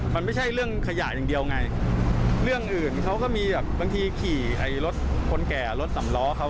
มันไม่ใช่เรื่องขยะอย่างเดียวไงเรื่องอื่นเขาก็มีแบบบางทีขี่ไอ้รถคนแก่รถสำล้อเขา